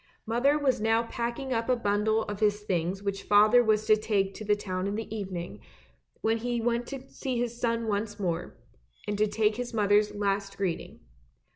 Mother was now packing up a bundle of his things which father was to take to the town in the evening, when he went to see his son once more, and to take his mother's last greeting.